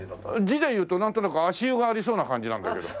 字でいうとなんとなく足湯がありそうな感じなんだけど。